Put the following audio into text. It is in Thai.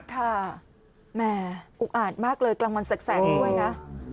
แหมอุกอาจมากเลยกลางวันแสกด้วยนะ